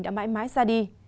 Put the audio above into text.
đã mãi mãi ra đi